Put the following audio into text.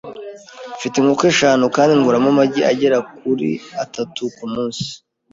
Mfite inkoko eshanu kandi nkuramo amagi agera kuri atatu kumunsi.